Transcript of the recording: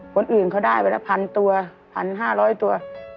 คนอื่นเขาได้ไว้แปลฟันตัวพันห้าร้อยตัว